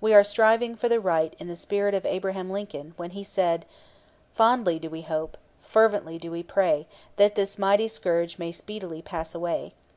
We are striving for the right in the spirit of Abraham Lincoln when he said: "Fondly do we hope fervently do we pray that this mighty scourge may speedily pass away.